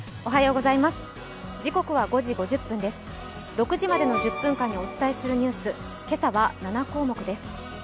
６時までの１０分間にお伝えするニュース、今朝は７項目です。